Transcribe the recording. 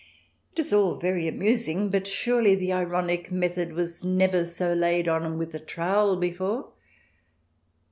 It is all very amusing, but surely the ironic method was never so laid on with a trowel before